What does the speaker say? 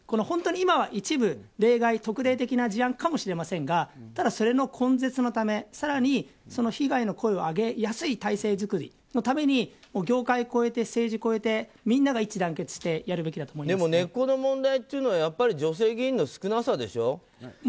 本当に今は一部例外特例的な事案かもしれませんがただ、それの根絶のため更にその被害の声を上げやすい体制作りのために業界を超えて政治を超えてみんなが一致団結してでも根っこの問題というのはやっぱり女性議員の少なさでしょ。